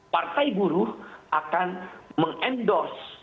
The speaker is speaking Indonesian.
partai buru akan mengendos